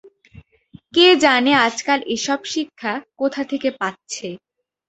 কে জানে আজকাল এ-সব শিক্ষা কোথা থেকে পাচ্ছে।